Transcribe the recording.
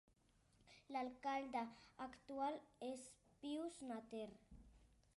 L'alcalde actual és Pius Natter.